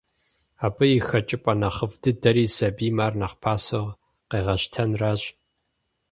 Абы и хэкӏыпӏэ нэхъыфӏ дыдэри сабийм ар нэхъ пасэу къегъэщтэнращ.